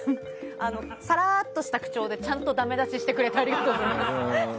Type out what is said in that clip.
さらーっとした口調でちゃんとダメ出ししてくれてありがとうございます。